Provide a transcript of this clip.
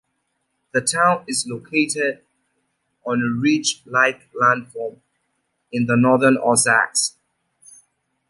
The town is located on a ridge-like landform in the northern Ozarks.